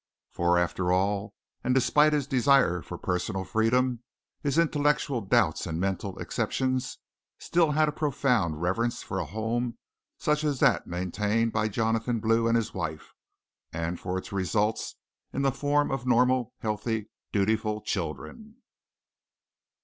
For after all, and despite his desire for personal freedom, his intellectual doubts and mental exceptions, he still had a profound reverence for a home such as that maintained by Jotham Blue and his wife, and for its results in the form of normal, healthy, dutiful children.